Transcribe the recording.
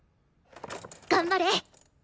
頑張れ！